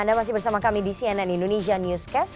anda masih bersama kami di cnn indonesia newscast